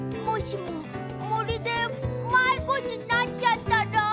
もしももりでまいごになっちゃったら？